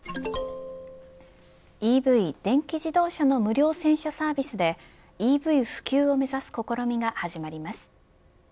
ＥＶ・電気自動車の無料洗車サービスでＥＶ普及を目指す試みが始まります。